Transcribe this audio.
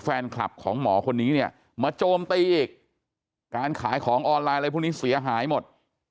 แฟนคลับของหมอคนนี้เนี่ยมาโจมตีอีกการขายของออนไลน์อะไรพวกนี้เสียหายหมด